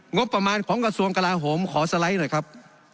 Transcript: งบประมาณของกระทรวงกลาโหมขอสไลด์หน่อยครับ